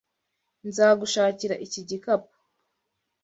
Nzagushakira iki gikapu.